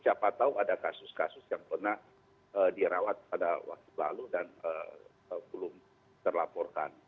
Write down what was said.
siapa tahu ada kasus kasus yang pernah dirawat pada waktu lalu dan belum terlaporkan